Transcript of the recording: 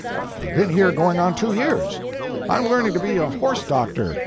Been here going on two years. I'm learning to be a horse doctor!